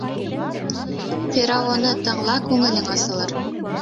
Фераоны тыңла, күңелең асылыр.